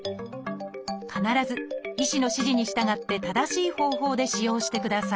必ず医師の指示に従って正しい方法で使用してください